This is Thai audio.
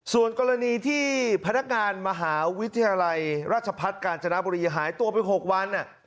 ส่วนกรณีที่พนักงานมหาวิทยาลัยราชพัฒน์กาญจนบุรีหายตัวไป๖วัน